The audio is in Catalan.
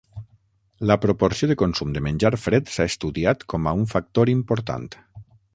La proporció de consum de menjar fred s'ha estudiat com a un factor important.